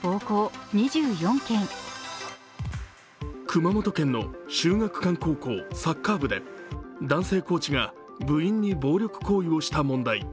熊本県の秀岳館高校サッカー部で男性コーチが部員に暴力行為をした問題。